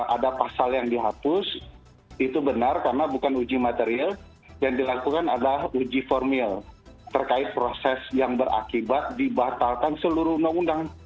ada pasal yang dihapus itu benar karena bukan uji material yang dilakukan adalah uji formil terkait proses yang berakibat dibatalkan seluruh undang undang